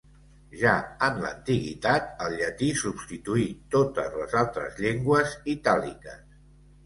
Ja en l'antiguitat, el llatí substituí totes les altres llengües itàliques.